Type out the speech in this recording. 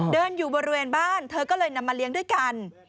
เดินอยู่บริเวณบ้านเธอก็เลยนำมาเลี้ยงด้วยกัน